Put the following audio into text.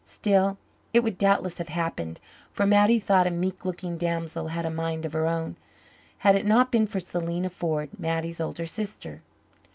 Still, it would doubtless have happened for Mattie, though a meek looking damsel, had a mind of her own had it not been for Selena Ford, Mattie's older sister.